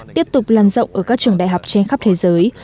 tiếp tục lan rộng ở các trường đại học trên khắp thế giới